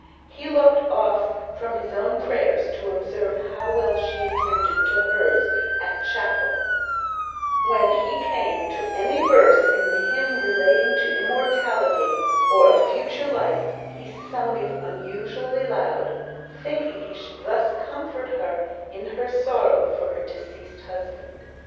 He looked off from his own prayers to observe how well she attended to hers at chapel; when he came to any verse in the hymn relating to immortality or a future life, he sang it unusually loud, thinking he should thus comfort her in her sorrow for her deceased husband.